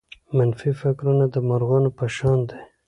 منفي فکرونه د مرغانو په شان دي.